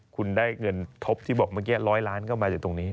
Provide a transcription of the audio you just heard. คุณได้เงินทบที่บอกเมื่อกี้๑๐๐ล้านก็มาจากตรงนี้